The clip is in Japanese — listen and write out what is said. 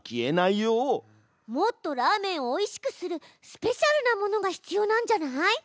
もっとラーメンをおいしくするスペシャルなものが必要なんじゃない？